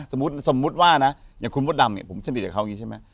สมมุติว่าอย่างคุณพ่อดำผมสนิทกับเขาอย่างนี้ใช่ไหม